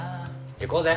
行こうぜ。